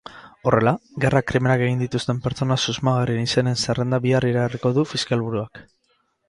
Horrela, gerra-krimenak egin dituzten pertsona susmagarrien izenen zerrenda bihar iragarriko du fiskalburuak.